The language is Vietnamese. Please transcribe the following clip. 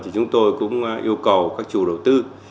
thì chúng tôi cũng yêu cầu các chủ đầu tư